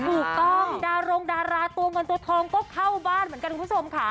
ถูกต้องดารงดาราตัวเงินตัวทองก็เข้าบ้านเหมือนกันคุณผู้ชมค่ะ